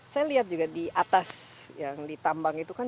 saya lihat juga di atas yang ditambang itu kan